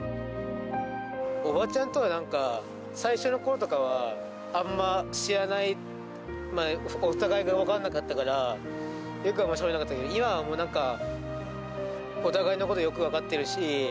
おばちゃんとはなんか、最初のころとかは、あんま知らない、お互いが分かんなかったから、しゃべらなかったけど、今はなんか、お互いのことよく分かってるし。